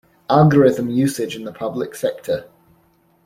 Algorithm usage in the public sector.